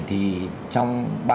thì trong ba năm